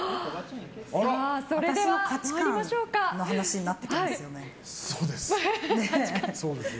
私の価値観の話になってきますよね。